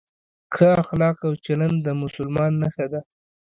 ښه اخلاق او چلند د مسلمان نښه ده.